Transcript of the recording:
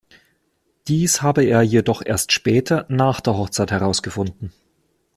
Dies habe er jedoch erst später nach der Hochzeit herausgefunden.